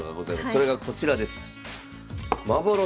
それがこちらです。